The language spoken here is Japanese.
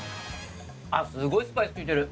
あっすごいスパイス利いてる！